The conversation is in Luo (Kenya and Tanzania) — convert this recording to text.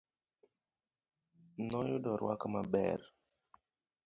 Noyudo rwak maber.